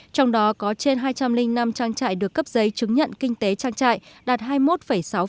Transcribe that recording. trong đó có trên hai trăm linh năm trang trại được cấp giấy chứng nhận kinh tế trang trại đạt hai mươi một sáu